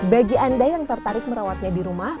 bagi anda yang tertarik merawatnya di rumah